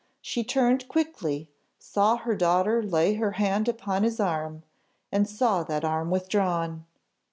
She turned quickly, saw her daughter lay her hand upon his arm, and saw that arm withdrawn!